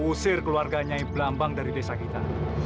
ushir keluarganya nyai belambang dari desa kita